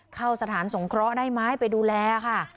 เข้าสถานสงเคราะห์ได้ไหมไปดูแลค่ะ